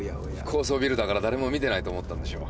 高層ビルだからだれも見てないと思ったんでしょう。